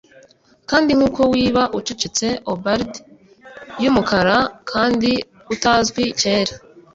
kandi nkuko wiba ucecetse.o bard yumukara kandi utazwi kera,